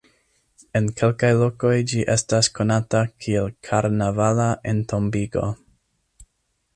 En kelkaj lokoj ĝi estas konata kiel "karnavala entombigo".